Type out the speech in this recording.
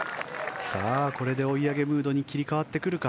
これで追い上げムードに切り替わってくるか。